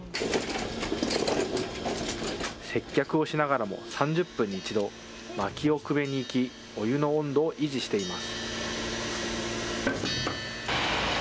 接客をしながらも３０分に１度、まきをくべに行き、お湯の温度を維持しています。